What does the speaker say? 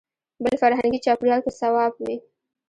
بل فرهنګي چاپېریال کې صواب وي.